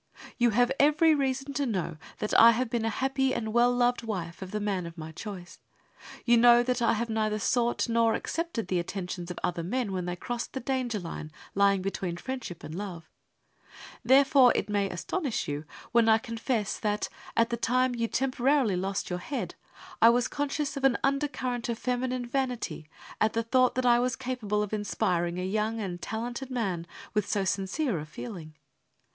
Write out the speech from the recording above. You have every reason to know that I have been a happy and well loved wife of the man of my choice. You know that I have neither sought nor accepted the attentions of other men when they crossed the danger line lying between friendship and love. Therefore it may astonish you when I confess that, at the time you temporarily lost your head, I was conscious of an undercurrent of feminine vanity at the thought that I was capable of inspiring a young and talented man with so sincere a feeling.